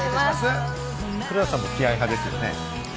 黒田さんも気合い派ですよね？